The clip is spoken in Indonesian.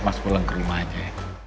mas pulang ke rumah aja ya